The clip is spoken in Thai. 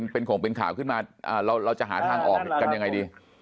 เป็นของเป็นข่าวขึ้นมาเราจะหาทางออกกันยังไงดี